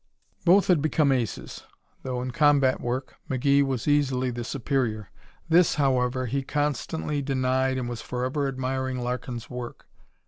Both had become aces, though in combat work McGee was easily the superior. This, however, he constantly denied and was forever admiring Larkin's work.